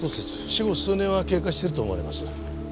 死後数年は経過してると思われます。